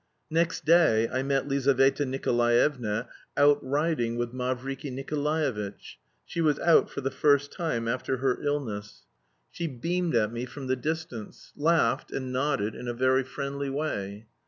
Next day I met Lizaveta Nikolaevna out riding with Mavriky Nikolaevitch; she was out for the first time after her illness. She beamed at me from the distance, laughed, and nodded in a very friendly way.